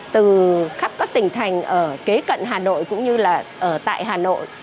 từ khắp các tỉnh thành ở kế cận hà nội cũng như là ở tại hà nội